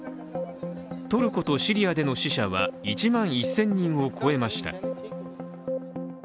トルコとシリアでの死者は１万１０００人を超えました。